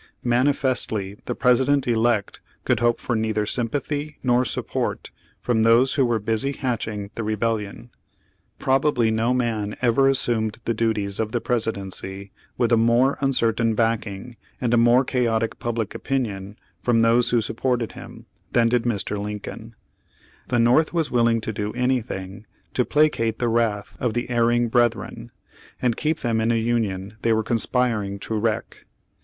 Manifestly the President elect could hope for neither sympathy nor support from those who were busy hatching the rebellion. Probably no man ever assumed the duties of the Presidency with a more uncertain backing and a more chaotic public opinion from those who supported him, than did Mr. Lincoln. The North was willing to do an>i;hing to placate the wrath of the "erring brethren," and keep them in a Union they were conspiring to wreck.